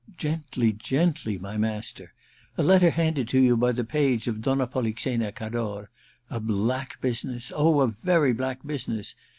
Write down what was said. * Gently, gently, my master. A letter handed to you by the page of Donna Polixena Cador. — A black business ! Oh, a very black business